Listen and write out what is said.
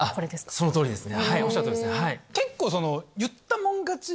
その通りですね。